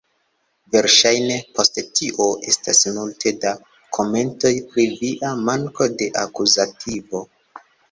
Verŝajne, post tio, estas multe da komentoj pri via manko de akuzativo.